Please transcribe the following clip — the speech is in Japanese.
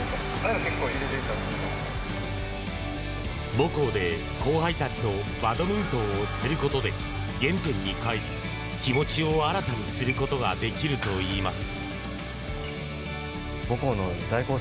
母校で後輩たちとバドミントンをすることで原点に返り気持ちを新たにすることができるといいます。